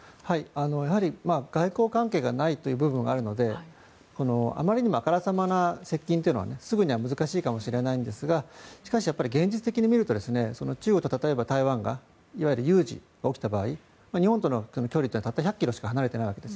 やはり外交関係がないという部分があるのであまりにもあからさまな接近というのはすぐには難しいかもしれないんですがしかし、現実的に見ると中国と台湾でいわゆる有事が起きた場合日本との距離というのはたった１００ｋｍしか離れていないわけです。